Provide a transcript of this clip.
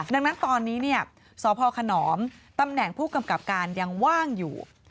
ดังนั้นตอนนี้สพขนอมตำแหน่งผู้กำกับการยังว่างอยู่